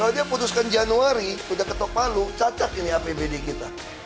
kalau dia putuskan januari udah ketok palu cacat ini apbd kita